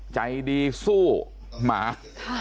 ใจดีสู้หมา